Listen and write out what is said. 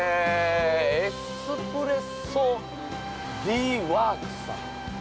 エスプレッソ・ディー・ワークスさん。